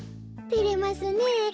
てれますねえ